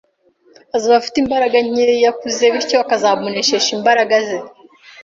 azaba afite imbaraga nkeya ku ze, bityo akazamuneshesha imbaraga ze